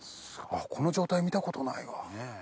この状態見たことないわ。